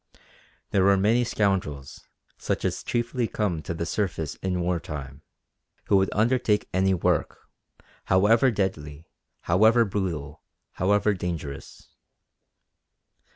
There were many scoundrels, such as chiefly come to the surface in war time, who would undertake any work, however deadly, however brutal, however dangerous.